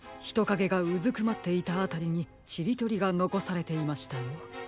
ひとかげがうずくまっていたあたりにちりとりがのこされていましたよ。